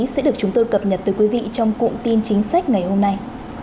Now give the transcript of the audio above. sẽ được chúng tôi cập nhật từ quý vị trong cụm tin chính sách ngày hôm nay